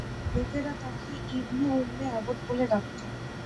লোকেরা তাঁকে Ibn Umm Abd বলে ডাকত।